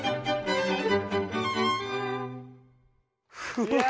うわ！